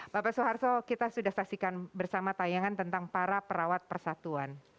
bapak soeharto kita sudah saksikan bersama tayangan tentang para perawat persatuan